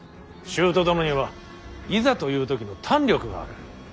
舅殿にはいざという時の胆力がある。